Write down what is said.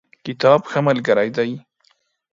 کتاب ښه ملګری دی.